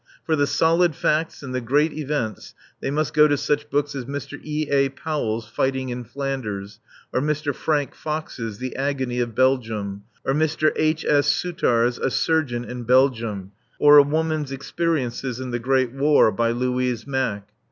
For the Solid Facts and the Great Events they must go to such books as Mr. E. A. Powell's "Fighting in Flanders," or Mr. Frank Fox's "The Agony of Belgium," or Dr. H. S. Souttar's "A Surgeon in Belgium," or "A Woman's Experiences in the Great War," by Louise Mack.